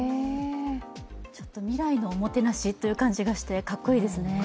未来のおもてなしという感じがしてかっこいいですね。